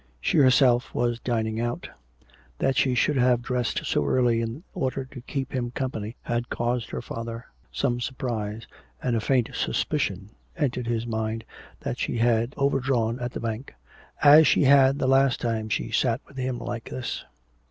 She herself was dining out. That she should have dressed so early in order to keep him company had caused her father some surprise, and a faint suspicion entered his mind that she had overdrawn at the bank, as she had the last time she sat with him like this.